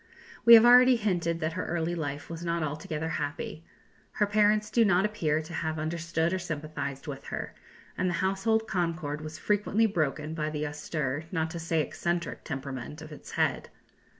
We have already hinted that her early life was not altogether happy; her parents do not appear to have understood or sympathized with her, and the household concord was frequently broken by the austere, not to say eccentric, temperament of its head.